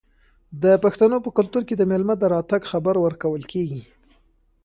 د پښتنو په کلتور کې د میلمه د راتګ خبر ورکول کیږي.